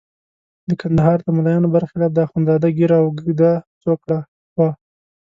د کندهار د ملایانو برخلاف د اخندزاده ږیره اوږده څوکړه وه.